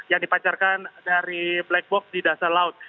yang dipancarkan dari black box di dasar laut